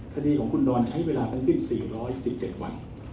คดีของคุณนอนใช้เวลาตั้ง๑๔๑๗วัน